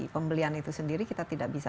pembelian itu sendiri kita tidak bisa